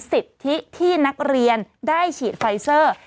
สิทธิที่นักเรียนได้ฉีดไฟเซอร์